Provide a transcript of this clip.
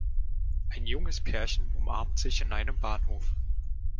Ein junges Pärchen umarmt sich in einem Bahnhof.